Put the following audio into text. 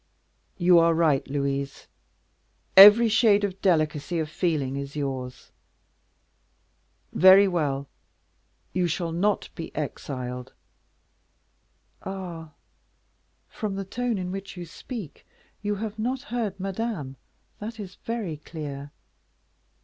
"You are right, Louise; every shade of delicacy of feeling is yours. Very well, you shall not be exiled." "Ah! from the tone in which you speak, you have not heard Madame, that is very clear."